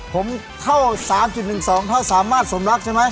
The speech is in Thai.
ผมเข้า๓๑๒เขาสามารถสมรักใช่ไหม